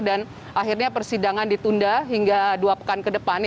dan akhirnya persidangan ditunda hingga dua pekan ke depannya